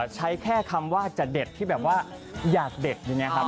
ใช้แค่คำว่าจะเด็ดที่แบบว่าอยากเด็ดอย่างนี้ครับ